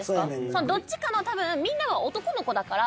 そのどっちかの多分みんなは男の子だから。